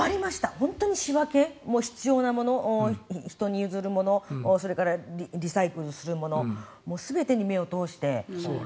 本当に仕分けも必要なもの人に譲るものそれからリサイクルするもの全てに目を通して。